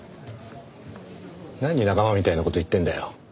何仲間みたいな事言ってんだよ。